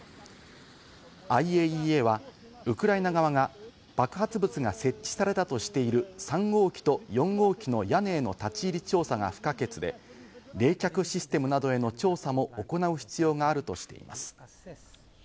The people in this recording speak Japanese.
ＩＡＥＡはウクライナ側が爆発物が設置されたとしている３号機と４号機の屋根への立ち入り調査が不可欠で、冷却システムなどへの調査も行う必要があるとしています。